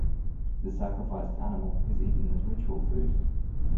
The sacrificed animal is eaten as ritual food.